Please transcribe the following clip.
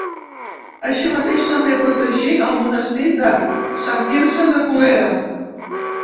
Així mateix també protegí el monestir de Sant Quirze de Colera.